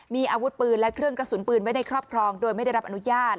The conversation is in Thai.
มีอาวุธปืนและเครื่องกระสุนปืนไว้ในครอบครองโดยไม่ได้รับอนุญาต